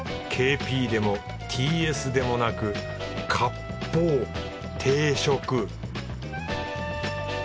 ＫＰでもＴＳでもなく割烹定食。